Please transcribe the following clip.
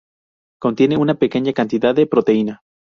Contiene una pequeña cantidad de proteína.